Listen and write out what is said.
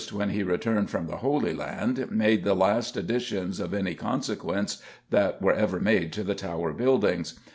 when he returned from the Holy Land, made the last additions of any consequence that were ever made to the Tower buildings.